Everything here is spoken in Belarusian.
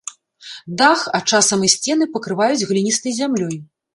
Дах, а часам і сцены пакрываюць гліністай зямлёй.